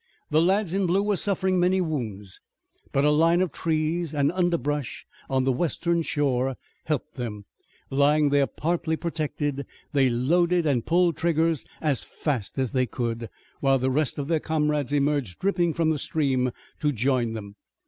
The lads in blue were suffering many wounds, but a line of trees and underbrush on the western shore helped them. Lying there partly protected they loaded and pulled trigger as fast as they could, while the rest of their comrades emerged dripping from the stream to join them.